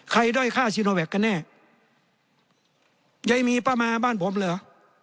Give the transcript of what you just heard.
ด้อยค่าซีโนแวคกันแน่ยายมีป้ามาบ้านผมเหรอ